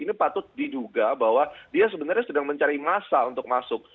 ini patut diduga bahwa dia sebenarnya sedang mencari masa untuk masuk